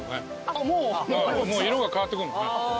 もう色が変わってくるのね。